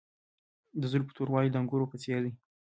د زلفو توروالی د انګورو په څیر دی.